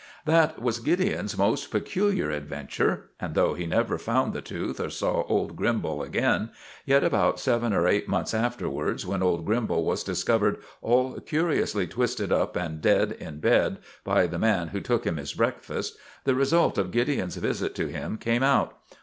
That was Gideon's most peculiar adventure, and, though he never found the tooth or saw old Grimbal again, yet about seven or eight months afterwards, when old Grimbal was discovered all curiously twisted up and dead in bed by the man who took him his breakfast, the result of Gideon's visit to him came out.